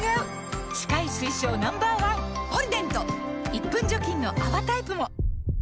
１分除菌の泡タイプも！